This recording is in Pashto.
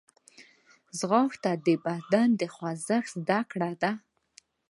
ځغاسته د بدن د خوځښت زدهکړه ده